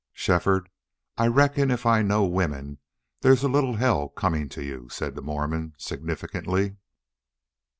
"Shefford, I reckon if I know women there's a little hell coming to you," said the Mormon, significantly.